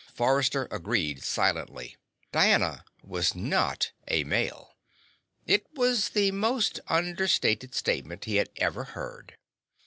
Forrester agreed silently. Diana was not a male. It was the most understated statement he had ever heard.